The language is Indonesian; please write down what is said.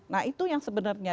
nah itu yang sebenarnya